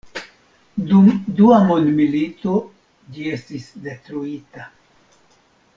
Dum Dua mondmilito ĝi estis detruita.